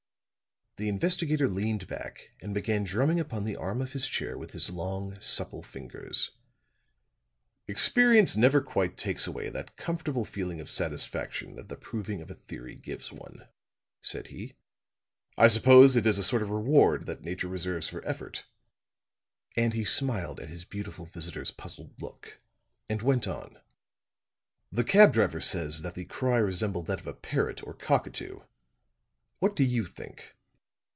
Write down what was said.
The investigator leaned back and began drumming upon the arm of his chair with his long supple fingers. "Experience never quite takes away that comfortable feeling of satisfaction that the proving of a theory gives one," said he. "I suppose it is a sort of reward that Nature reserves for effort." And he smiled at his beautiful visitor's puzzled look, and went on: "The cab driver says that the cry resembled that of a parrot or cockatoo. What do you think?"